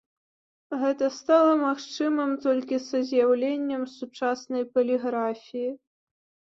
Гэта стала магчымым толькі са з'яўленнем сучаснай паліграфіі.